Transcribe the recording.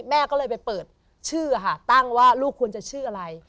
แม่ก็เลยไปเปิดชื่อค่ะตั้งว่าลูกควรจะชื่ออะไร